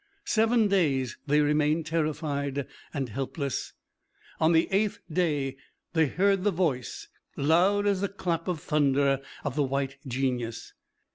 Seven days they remained terrified and helpless. On the eighth day they heard the voice, loud as a clap of thunder, of the White Genius.